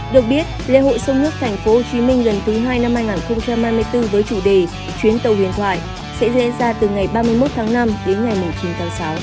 được biết lễ hội sông nước tp hcm lần thứ hai năm hai nghìn hai mươi bốn với chủ đề chuyến tàu huyền thoại sẽ diễn ra từ ngày ba mươi một tháng năm đến ngày chín tháng sáu